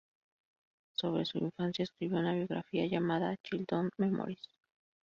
Sobre su infancia escribió una biografía llamada "Childhood Memories".